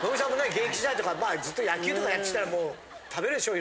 現役時代とかまあずっと野球とかやってきたらもう食べるでしょう？